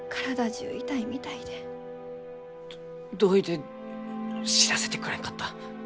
どどういて知らせてくれんかった？